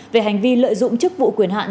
về hành vi lợi dụng chức vụ quyền hạn